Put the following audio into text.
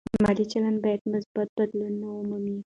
مالي چلند باید مثبت بدلون ومومي.